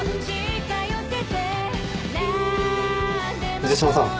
・水島さん